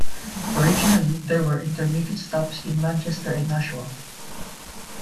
Originally, there were intermediate stops in Manchester and Nashua.